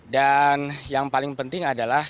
dan yang paling penting adalah